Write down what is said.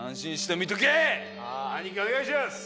兄貴お願いします。